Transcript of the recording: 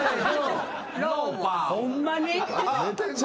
ホンマに？